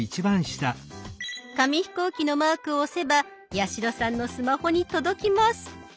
紙飛行機のマークを押せば八代さんのスマホに届きます。